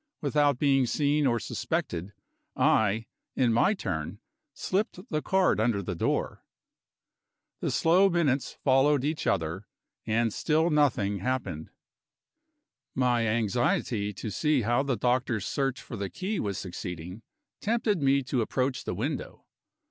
Without being seen or suspected, I, in my turn, slipped the card under the door. The slow minutes followed each other and still nothing happened. My anxiety to see how the doctor's search for the key was succeeding, tempted me to approach the window.